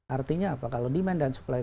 artinya apa kalau demand dan supply